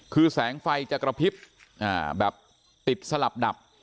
คือแสงไฟจะกระพริบแบบติดสลับดับ